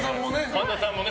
神田さんもね